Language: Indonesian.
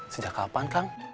sejak kapan kang